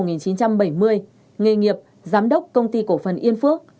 nghề nghiệp giám đốc công ty cổ phần yên phước